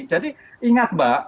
jadi ingat mbak